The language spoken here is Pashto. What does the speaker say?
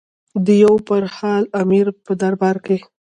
د یو برحال امیر په دربار کې.